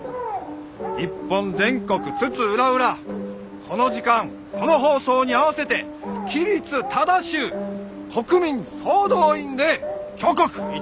日本全国津々浦々この時間この放送に合わせて規律正しゅう国民総動員で挙国一致の精神を鍛えるんです！